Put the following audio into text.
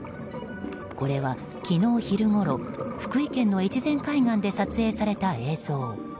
これは昨日昼ごろ福井県の越前海岸で撮影された映像。